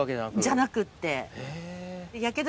じゃなくって。